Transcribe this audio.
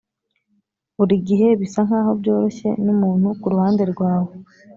buri gihe bisa nkaho byoroshye numuntu kuruhande rwawe